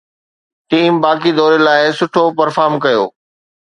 team باقي دوري لاء سٺو پرفارم ڪيو